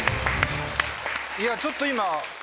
いやちょっと今。